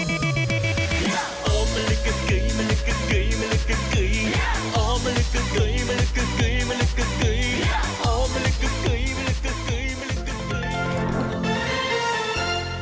มีความรู้สึกว่า